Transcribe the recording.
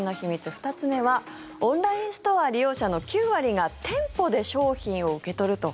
２つ目はオンラインストア利用者の９割が店舗で商品を受け取ると。